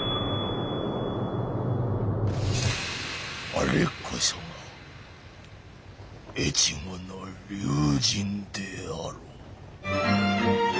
あれこそが越後の龍神であろう。